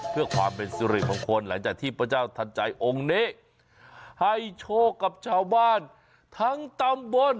เพื่อความเป็นสิริมงคลหลังจากที่พระเจ้าทันใจองค์นี้ให้โชคกับชาวบ้านทั้งตำบล